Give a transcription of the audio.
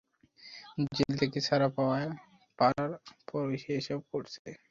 Jail থেকে ছাড়া পাওয়ার পরই সে এসব করছে।